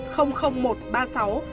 do an thuê lại